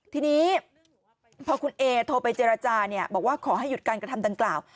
ทีนี้พอคุณเอโทรไปเจรจาเนี่ยบอกว่าขอให้หยุดการกระทำดังกล่าว